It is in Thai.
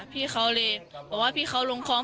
พี่เขาเลยบอกว่าพี่เขาลงคลอง